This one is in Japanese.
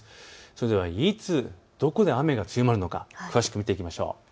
それではいつ、どこで雨が強まるのか詳しく見ていきましょう。